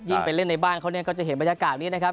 ไปเล่นในบ้านเขาเนี่ยก็จะเห็นบรรยากาศนี้นะครับ